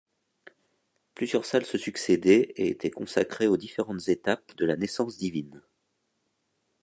Plusieurs salles se succédaient et étaient consacrées aux différentes étapes de la naissance divine.